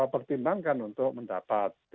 bertimbangkan untuk mendapat